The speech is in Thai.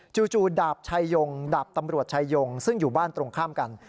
จู่ดาบชายงดาบตำรวจชายงซึ่งอยู่บ้านตรงข้ามกัน